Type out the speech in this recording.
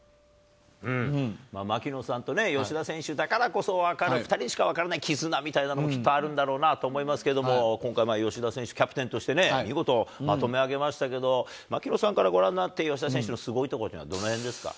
槙野さんとね、吉田選手だからこそ分かる、２人にしか分からない絆みたいなのもきっとあるんだろうなと思いますけども、今回、吉田選手、キャプテンとして見事、まとめ上げましたけど、槙野さんからご覧になって、吉田選手のすごいところはどのへんですか。